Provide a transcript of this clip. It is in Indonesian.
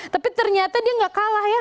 tapi ternyata dia gak kalah ya